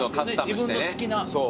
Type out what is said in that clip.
自分の好きな。